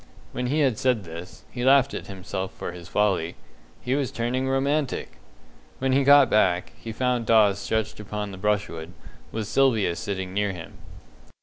When he had said this, he laughed at himself for his folly he was turning romantic! When he got back, he found Dawes stretched upon the brushwood, with Sylvia sitting near him.